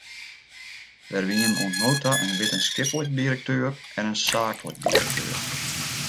Der wienen oant no ta in wittenskiplik direkteur en in saaklik direkteur.